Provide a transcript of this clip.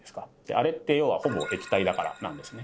あれって要はほぼ液体だからなんですね。